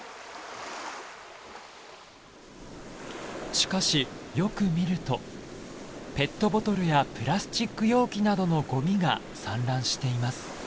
しかしよく見るとペットボトルやプラスチック容器などのゴミが散乱しています。